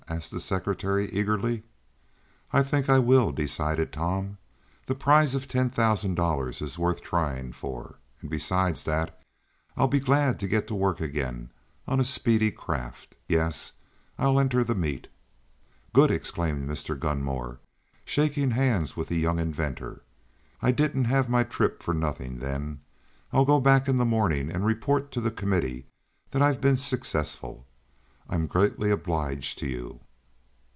asked the secretary eagerly. "I think I will," decided Tom. "The prize of ten thousand dollars is worth trying for, and besides that, I'll be glad to get to work again on a speedy craft. Yes, I'll enter the meet." "Good!" exclaimed Mr. Gunmore, shaking hands with the young inventor. "I didn't have my trip for nothing, then. I'll go back in the morning and report to the committee that I've been successful. I am greatly obliged to you."